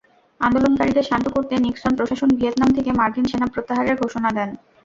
আন্দোলনকারীদের শান্ত করতে নিক্সন প্রশাসন ভিয়েতনাম থেকে মার্কিন সেনা প্রত্যাহারের ঘোষণা দেয়।